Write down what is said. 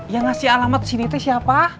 yang ngasih alamat sini itu siapa